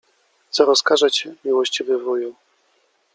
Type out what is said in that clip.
Co rozkażecie, miłościwy wuju?